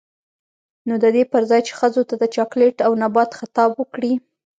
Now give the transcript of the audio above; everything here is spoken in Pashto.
نـو د دې پـر ځـاى چـې ښـځـو تـه د چـاکـليـت او نـبـات خـطاب وکـړي.